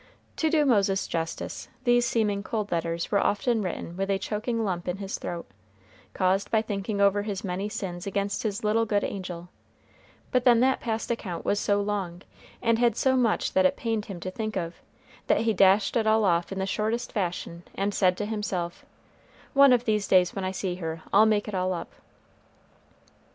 To do Moses justice, these seeming cold letters were often written with a choking lump in his throat, caused by thinking over his many sins against his little good angel; but then that past account was so long, and had so much that it pained him to think of, that he dashed it all off in the shortest fashion, and said to himself, "One of these days when I see her I'll make it all up."